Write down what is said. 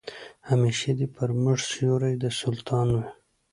همېشه دي پر موږ سیوری د سلطان وي